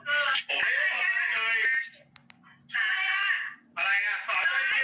อะไรโยอะ